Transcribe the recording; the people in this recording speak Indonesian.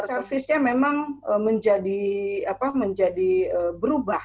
servisnya memang menjadi apa menjadi berubah